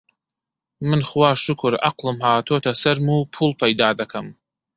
من خوا شوکور عەقڵم هاتۆتە سەرم و پووڵ پەیدا دەکەم